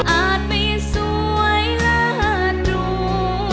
อาจไม่สวยและดู